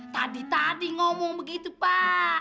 tadi tadi ngomong begitu pak